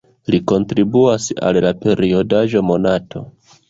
Li kontribuas al la periodaĵo "Monato".